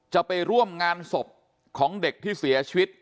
จะไปร่วมงานศพของเด็กที่เสียชีวิต